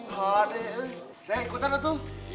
saya ikutan datu